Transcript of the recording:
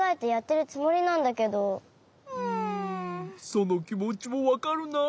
そのきもちもわかるな。